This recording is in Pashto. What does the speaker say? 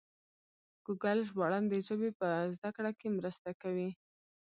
ګوګل ژباړن د ژبې په زده کړه کې مرسته کوي.